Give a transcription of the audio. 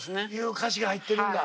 歌詞が入ってるんだ。